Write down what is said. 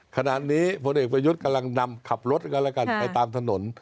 ขณะนี้พลเอกประยุทธ์กำลังนำขับรถกันแล้วกันไปตามถนน